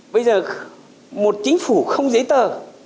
bây giờ một chính phủ không giấy tờ